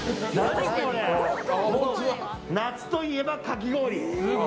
夏といえばかき氷。